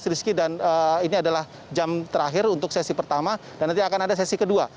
rizky dan ini adalah jam terakhir untuk sesi pertama dan nanti akan ada sesi kedua